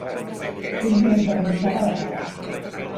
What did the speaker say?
Tens una esgarrinxada a la cara.